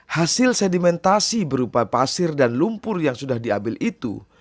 hasil sedimentasi berupa pasir dan lumpur yang sudah diambil itu